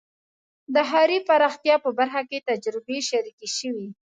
د ښاري پراختیا په برخه کې تجربې شریکې شوې.